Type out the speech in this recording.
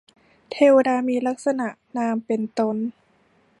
เทวดามีลักษณะนามเป็นตน